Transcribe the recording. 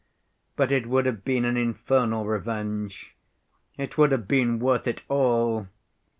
But it would have been an infernal revenge. It would have been worth it all.